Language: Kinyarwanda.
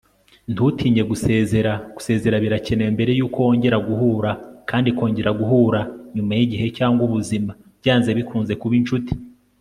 ntutinye gusezera gusezera birakenewe mbere yuko wongera guhura kandi kongera guhura, nyuma yigihe cyangwa ubuzima, byanze bikunze kuba inshuti